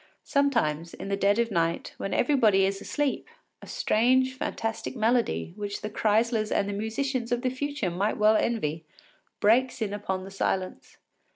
Sometimes, in the dead of night, when everybody is asleep, a strange, fantastic melody, which the Kreislers and the musicians of the future might well envy, breaks in upon the silence.